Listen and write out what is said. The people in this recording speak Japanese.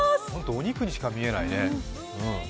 お肉にしか見えないね。